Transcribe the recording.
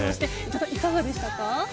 いかがでしたか。